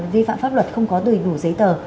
vi phạm pháp luật không có đủ giấy tờ